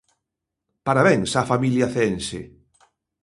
Parabéns á familia ceense.